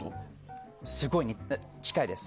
すごい近いです。